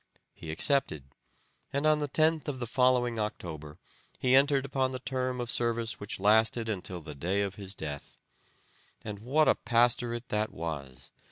He accepted, and on the 10th of the following October he entered upon the term of service which lasted until the day of his death. And what a pastorate that was!